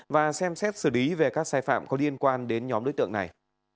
và xem xét xử lý về các sai phạm có liên quan đến nhóm đối tượng này